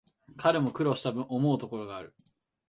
彼も苦労したぶん、思うところがある